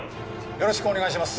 よろしくお願いします。